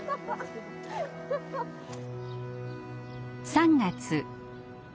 ３月。